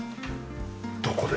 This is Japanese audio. どこで？